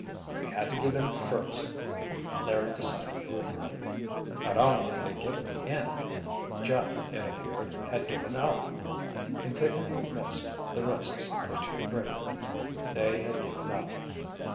"We had to give in first," Larry decided ruefully. Not only had they given in. Jeff, it appeared, had given up. In thickening mist the risks were too great. They had given up.